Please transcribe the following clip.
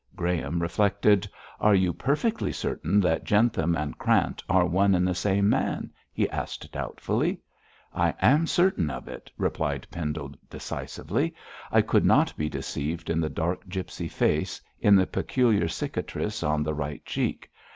Graham reflected. 'Are you perfectly certain that Jentham and Krant are one and the same man?' he asked doubtfully. 'I am certain of it,' replied Pendle, decisively. 'I could not be deceived in the dark gipsy face, in the peculiar cicatrice on the right cheek.